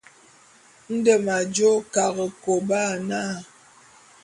Nde m'ajô Karekôba na.